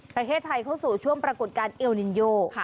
ประเทศไทยเข้าสู่ช่วงปรากฏการณ์เอลนิโย